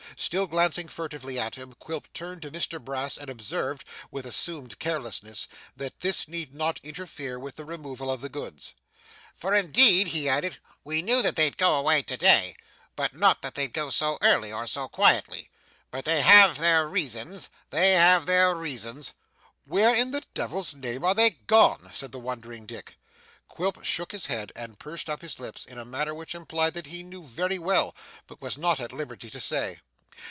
Still glancing furtively at him, Quilp turned to Mr Brass and observed, with assumed carelessness, that this need not interfere with the removal of the goods. 'For indeed,' he added, 'we knew that they'd go away to day, but not that they'd go so early, or so quietly. But they have their reasons, they have their reasons.' 'Where in the devil's name are they gone?' said the wondering Dick. Quilp shook his head, and pursed up his lips, in a manner which implied that he knew very well, but was not at liberty to say.